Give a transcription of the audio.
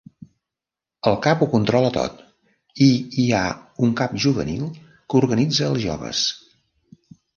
El cap ho controla tot i hi ha un cap juvenil que organitza els joves.